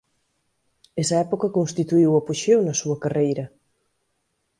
Esa época constituíu o apoxeo na súa carreira.